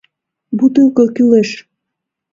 Бутылко кӱлеш!